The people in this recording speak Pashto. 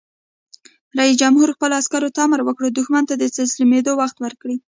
رئیس جمهور خپلو عسکرو ته امر وکړ؛ دښمن ته د تسلیمېدو وخت ورکړئ!